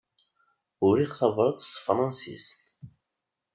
Uriɣ tabrat s tefransist.